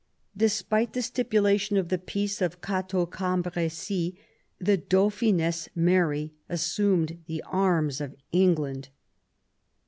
Despite the stipulation of the peace of Cateau Cambresis, the Dauphiness Mary assumed the arms of England.